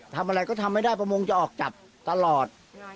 ทำอะไรก็ทำไม่ได้ประมงจะออกจับตลอด